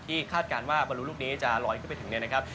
คาดการณ์ว่าบรรลุลูกนี้จะลอยขึ้นไปถึงเนี่ยนะครับ